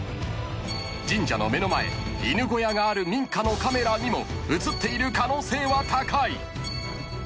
［神社の目の前犬小屋がある民家のカメラにも映っている可能性は高い］